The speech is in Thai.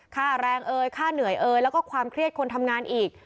ค่าแรงเอ่ยค่าเหนื่อยเอยแล้วก็ความเครียดคนทำงานอีก